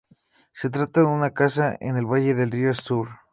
Se trata de una casa en el valle del río Stour.